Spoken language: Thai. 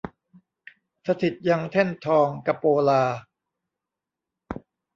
สถิตย์ยังแท่นทองกะโปลา